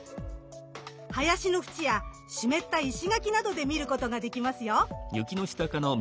林のふちや湿った石垣などで見ることができますよ。